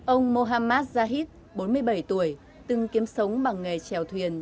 ông mohammad jahid bốn mươi bảy tuổi từng kiếm sống bằng nghề trèo thuyền